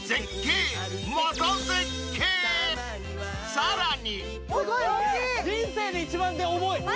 ［さらに］